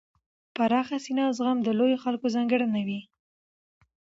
پراخه سینه او زغم د لویو خلکو ځانګړنه وي.